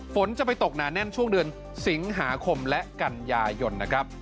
ฝนจะไปตกหนาแน่นช่วงเดือนสิงหาคมและกันยายนนะครับ